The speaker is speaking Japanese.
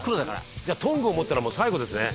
「じゃあトングを持ったらもう最後ですね」